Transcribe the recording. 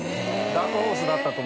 ダークホースだったと思います。